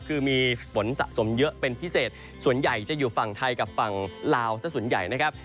คือมีฝนสะสมเยอะเป็นพิเศษส่วนใหญ่จะอยู่ฝั่งไทยกับฝั่งลาวสักส่วนใหญ่นะครับ